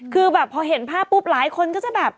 คือแบบพอเห็นภาพปุ๊บหลายคนก็จะแบบ